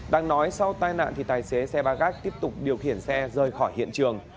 đang nói sau tai nạn tài xế xe bagat tiếp tục điều khiển xe rời khỏi hiện trường